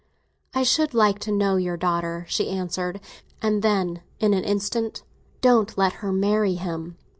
"I should like to know your daughter," she answered; and then, in an instant—"Don't let her marry him!"